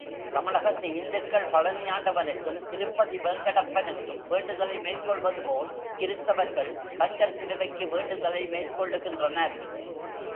தமிழகத்து இந்துக்கள் பழனியாண்டவனுக்கும், திருப்பதி வேங்கடப்பனுக்கும் வேண்டுதலை மேற்கொள்வதுபோல், கிருத்தவர்கள் கண்டல் சிலுவைக்கு வேண்டுதலை மேற்கொள்ளு கின்றனர்.